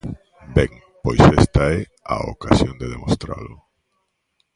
Ben, pois esta é a ocasión de demostralo.